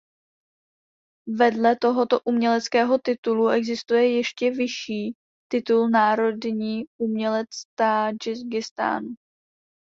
Vedle tohoto uměleckého titulu existuje ještě vyšší titul Národní umělec Tádžikistánu.